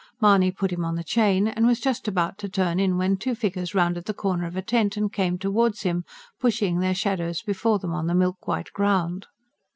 Mahony put him on the chain, and was just about to turn in when two figures rounded the corner of a tent and came towards him, pushing their shadows before them on the milk white ground.